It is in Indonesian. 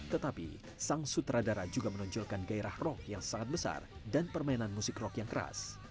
tetapi sang sutradara juga menonjolkan gairah rock yang sangat besar dan permainan musik rock yang keras